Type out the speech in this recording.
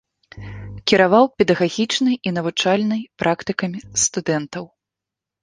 Кіраваў педагагічнай і навучальнай практыкамі студэнтаў.